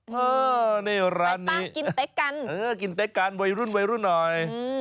ไปป่ะกินเต๊ะกันเออกินเต๊ะกันวัยรุ่นวัยรุ่นหน่อย